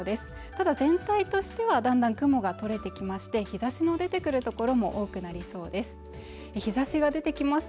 ただ全体としてはだんだん雲が取れてきまして日差しの出てくるところも多くなりそうです